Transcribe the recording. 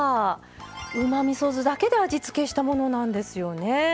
うまみそ酢だけで味付けしたものなんですよね。